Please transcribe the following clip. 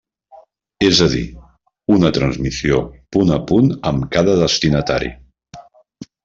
És a dir, una transmissió punt a punt amb cada destinatari.